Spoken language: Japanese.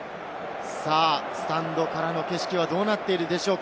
スタンドからの景色はどうなっているでしょうか？